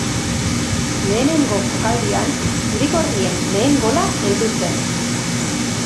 Lehenengo jokaldian zuri-gorrien lehen gola heldu zen.